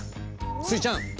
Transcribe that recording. スイちゃん